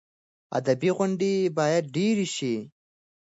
ادبي غونډې باید ډېرې شي.